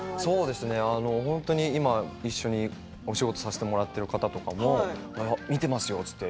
今、一緒にお仕事をさせてもらっている方とかも見ていますよと言って。